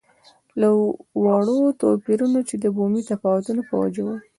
له وړو توپیرونو چې د بومي تفاوتونو په وجه وو.